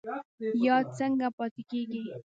یاد څنګه پاتې کیږي؟